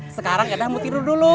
sekarang yaudah mau tidur dulu